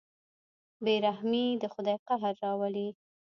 بېرحمي د خدای قهر راولي.